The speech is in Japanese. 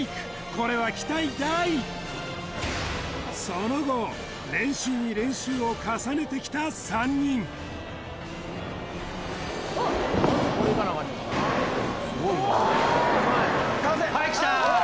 これは期待大その後練習に練習を重ねてきた３人はいきたー！